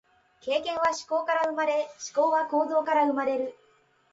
経験は思考から生まれ、思考は行動から生まれる。